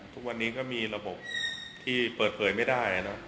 ทุกวันนี้ก็มีระบบที่เปิดเผยไม่ได้